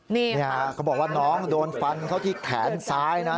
นี่เขาบอกว่าน้องโดนฟันเข้าที่แขนซ้ายนะ